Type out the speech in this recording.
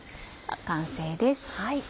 完成です。